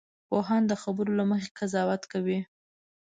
پوهان د خبرو له مخې قضاوت کوي